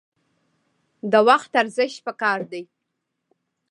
د وخت ارزښت پکار دی